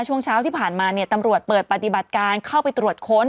ช่วงเช้าที่ผ่านมาเนี่ยตำรวจเปิดปฏิบัติการเข้าไปตรวจค้น